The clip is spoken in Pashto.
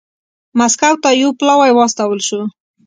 مسکو ته یو پلاوی واستول شو.